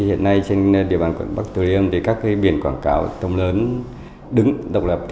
hiện nay trên địa bàn quận bắc tử liêm các biển quảng cáo tông lớn đứng độc lập